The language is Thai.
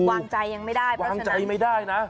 วางใจยังไม่ได้เพราะฉะนั้นวางใจไม่ได้นะ